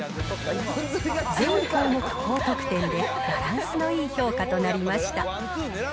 全項目高得点で、バランスのいい評価となりました。